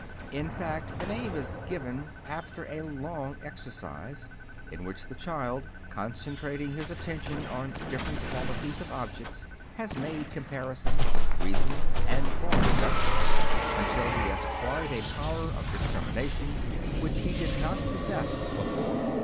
In fact, the name is given after a long exercise, in which the child, concentrating his attention on different qualities of objects, has made comparisons, reasoned, and formed judgments, until he has acquired a power of discrimination which he did not possess before.